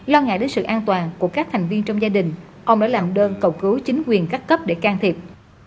lo ngại đến sự an toàn của các thành viên trong gia đình ông đã làm đơn cầu cứu chính quyền các cấp để can thiệp